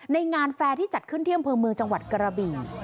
ในงานแฟร์ที่จัดขึ้นที่อำเภอเมืองจังหวัดกระบี่